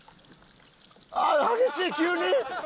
あっ激しい急に！